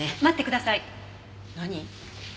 待ってください。